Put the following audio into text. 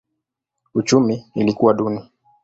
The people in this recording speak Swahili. Uchumi ilikuwa duni.